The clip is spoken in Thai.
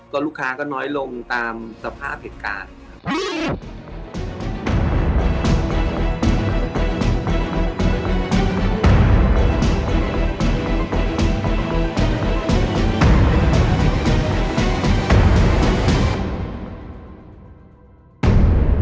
ก็ลูกค้าก็น้อยลงตามสภาพเหตุการณ์